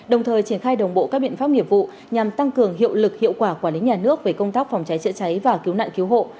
đồng thời triển khai đồng bộ các biện pháp nghiệp vụ nhằm tăng cường hiệu lực hiệu quả quản lý nhà nước về công tác phòng cháy chữa cháy và cứu nạn cứu hộ